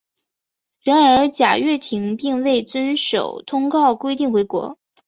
然而贾跃亭并未遵守通告规定回国。